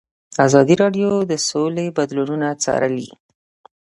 ازادي راډیو د سوله بدلونونه څارلي.